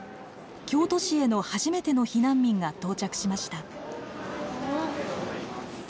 京都市への初めての避難民が到着しました。